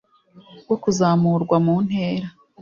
bwo kuzamurwa mu ntera